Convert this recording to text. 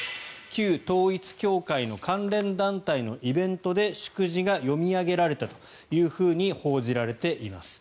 旧統一教会の関連団体のイベントで祝辞が読み上げられたと報じられています。